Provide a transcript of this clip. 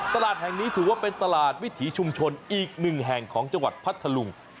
ตลาดแห่งนี้ถือว่าเป็นตลาดวิถีชุมชนอีกหนึ่งแห่งของจังหวัดพัทธลุง